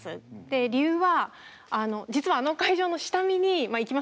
理由は実はあの会場の下見に行きますよね当然。